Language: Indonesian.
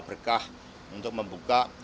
berkah untuk membuka